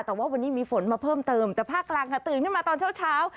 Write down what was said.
แต่ว่าวันนี้มีฝนมาเพิ่มเติมแต่ภาครางศรัทธิ์นี่มาตอนเช้าเช้า